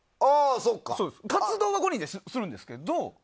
活動は５人でするんですけど。